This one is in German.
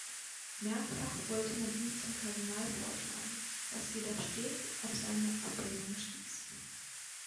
Mehrfach wollte man ihn zum Kardinal vorschlagen, was jedoch stets auf seine Ablehnung stieß.